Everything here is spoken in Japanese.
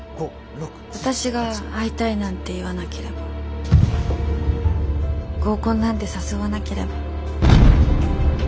私が会いたいなんて言わなければ合コンなんて誘わなければ。